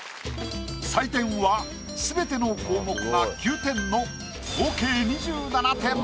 採点はすべての項目が９点の合計２７点。